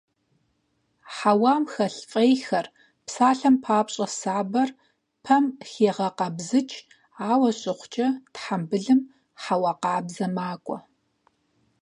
Хьэуам хэлъ фӀейхэр, псалъэм папщӀэ сабэр, пэм хегъэкъэбзыкӀ, ауэ щыхъукӀэ, тхьэмбылым хьэуа къабзэ макӀуэ.